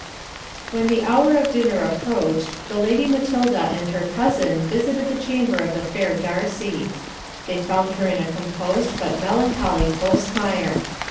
When the hour of dinner approached, the Lady Matilda and her cousin visited the chamber of the fair Darcy. They found her in a composed but melancholy postmire.